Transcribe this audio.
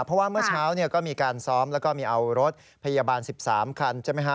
เพราะว่าเมื่อเช้าก็มีการซ้อมแล้วก็มีเอารถพยาบาล๑๓คันใช่ไหมฮะ